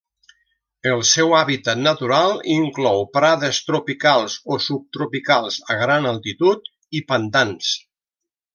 El seu hàbitat natural inclou prades tropicals o subtropicals a gran altitud i pantans.